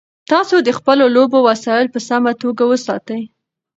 تاسو د خپلو لوبو وسایل په سمه توګه وساتئ.